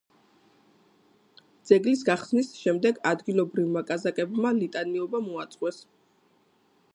ძეგლის გახსნის შემდეგ ადგილობრივმა კაზაკებმა ლიტანიობა მოაწყვეს.